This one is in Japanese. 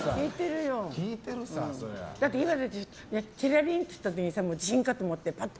だって、今だってチラリンっていった時に地震かと思って、パッと。